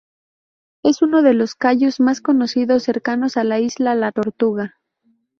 Es uno de los cayos más conocidos cercanos a la isla La Tortuga.